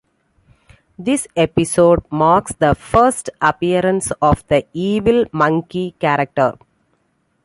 This episode marks the first appearance of the "Evil Monkey" character.